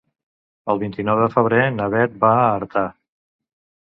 El vint-i-nou de febrer na Beth va a Artà.